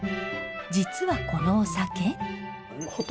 実はこのお酒。